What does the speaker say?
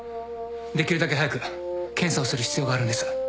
できるだけ早く検査をする必要があるんです。